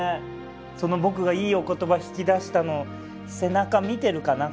その僕がいいお言葉引き出したの背中見てるかな？